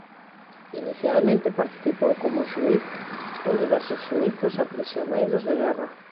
Inicialmente participou como xuíz en diversos xuízos a prisioneiros de guerra.